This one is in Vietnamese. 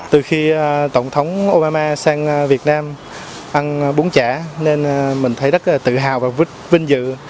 từ khi tổng thống obama sang việt nam ăn bún chả nên mình thấy rất là tự hào và vinh dự